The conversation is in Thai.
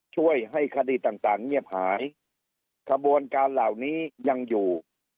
ช่วยให้คดีต่างต่างเงียบหายขบวนการเหล่านี้ยังอยู่